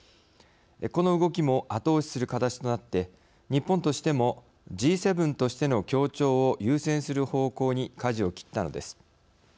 この動きも後押しする形となって日本としてもＧ７としての協調を優先する方向にかじを切ったのです。